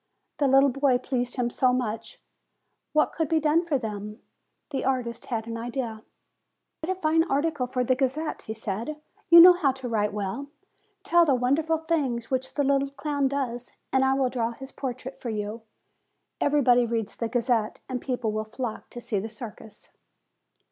The little boy pleased him so much ! What could be done for them ? The artist had an idea. "Write a fine article for the Gazette," he said : "you know how to write well. Tell the wonderful things which the little clown does, and I will draw his portrait for you. Everybody reads the Gazette, and people will flock to see the circus."